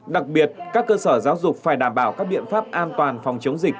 đặc biệt các cơ sở giáo dục phải đảm bảo các biện pháp an toàn phòng chống dịch